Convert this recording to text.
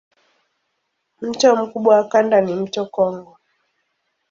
Mto mkubwa wa kanda ni mto Kongo.